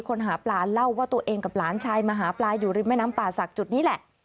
หาปลาเล่าว่าตัวเองกับหลานชายมาหาปลาอยู่ริมแม่น้ำป่าศักดิ์จุดนี้แหละ